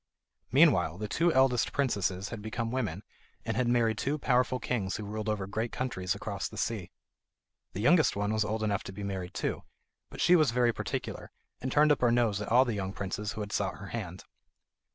Meanwhile the two eldest princesses had become women, and had married two powerful kings who ruled over great countries across the sea. The youngest one was old enough to be married too, but she was very particular, and turned up her nose at all the young princes who had sought her hand.